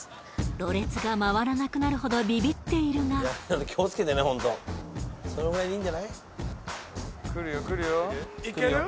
ろれつが回らなくなるほどビビっているがうん？